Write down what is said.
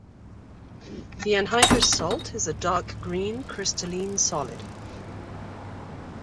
The anhydrous salt is a dark green crystalline solid.